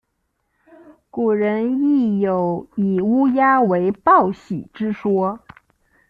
古人亦有以乌鸦为报喜之说。